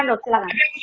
oke silahkan dok